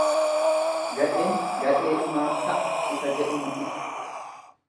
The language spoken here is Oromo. Gadheen gadheedhumaaf ta'a isa jedhu mul'isa.